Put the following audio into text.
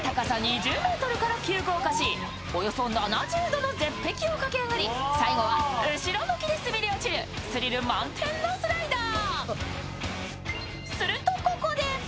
およそ７０度の絶壁を駆け上がり、最後は後ろ向きで滑り落ちるスリル満点のスライダー。